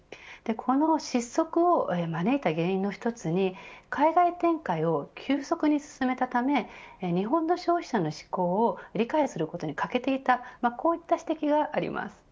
この失速を招いた原因の一つに海外展開を急速に進めたため日本の消費者の嗜好を理解することに欠けていたこういった指摘があります。